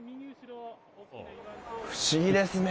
不思議ですね。